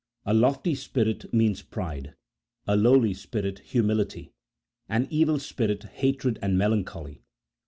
A lofty spirit means pride,, a lowly spirit humility, an evil spirit hatred and melan choly.